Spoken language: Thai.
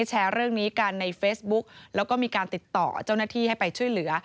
แชร์เรื่องนี้กันในเฟซบุ๊กแล้วก็มีการติดต่อเจ้าหน้าที่ให้ไปช่วยเหลือ